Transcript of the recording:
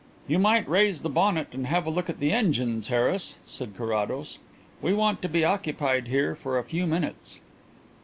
"You might raise the bonnet and have a look at the engines, Harris," said Carrados. "We want to be occupied here for a few minutes."